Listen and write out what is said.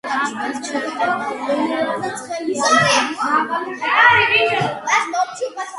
აქ ჩერდება უამრავი გადამფრენი ფრინველი.